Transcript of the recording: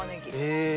へえ。